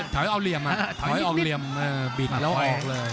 เอาเหลี่ยมถอยเอาเหลี่ยมบิดแล้วออกเลย